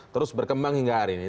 terus berkembang hingga hari ini